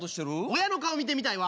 親の顔見てみたいわ。